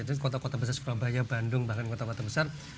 itu kota kota besar surabaya bandung bahkan kota kota besar